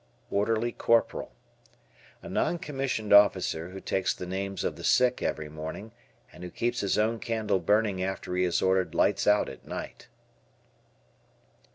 Orderly Corporal. A non commissioned officer who takes the names of the sick every morning and who keeps his own candle burning after he has ordered "Lights out" at night.